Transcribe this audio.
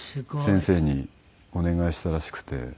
先生にお願いしたらしくて。